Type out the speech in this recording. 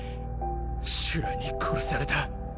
シュラに殺された。